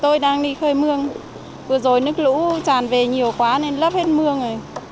tôi đang đi khơi mương vừa rồi nước lũ tràn về nhiều quá nên lấp hết mưa rồi